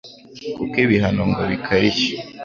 kuko ibihano ngo bikarishye